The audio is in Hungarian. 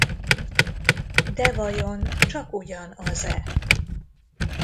De vajon csakugyan az-e?